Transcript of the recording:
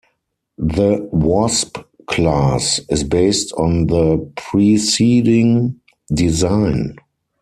The "Wasp" class is based on the preceding design.